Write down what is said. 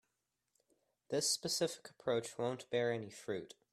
This specific approach won't bear any fruit.